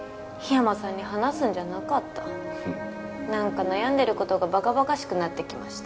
桧山さんに話すんじゃなかったなんか悩んでることが馬鹿馬鹿しくなってきました。